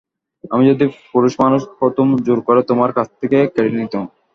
আমি যদি পুরুষমানুষ হতুম জোর করে তোমার কাছ থেকে কেড়ে নিতুম।